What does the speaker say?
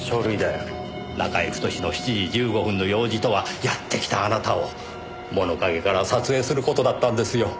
中居太の７時１５分の用事とはやってきたあなたを物陰から撮影する事だったんですよ。